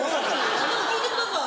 何でも聞いてください